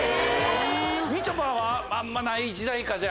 みちょぱは？あんまない時代かじゃあ。